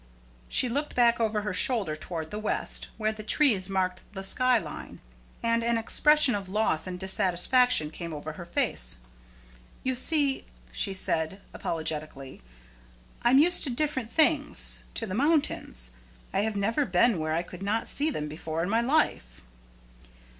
She looked back over her shoulder toward the west, where the trees marked the sky line, and an expression of loss and dissatisfaction came over her face. "You see," she said, apologetically, "I'm used to different things to the mountains. I have never been where I could not see them before in my life."